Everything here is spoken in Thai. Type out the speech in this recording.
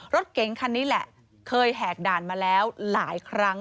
รถเก๋งคันนี้แหละเคยแหกด่านมาแล้วหลายครั้ง